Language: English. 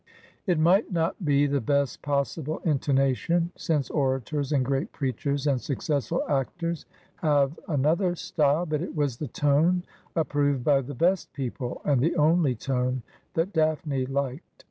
It might not be the best possible intonation — since orators and great preachers and successful actors have another style — but it was the tone approved by the best people, and the only tone that Daphne liked.